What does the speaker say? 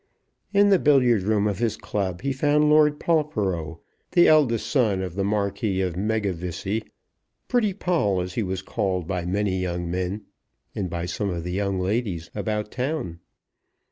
In the billiard room of his club he found Lord Polperrow, the eldest son of the Marquis of Megavissey, pretty Poll, as he was called by many young men, and by some young ladies, about town.